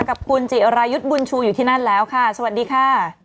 กับคุณจิรายุทธ์บุญชูอยู่ที่นั่นแล้วค่ะสวัสดีค่ะ